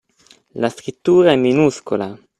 La scrittura è minuscola!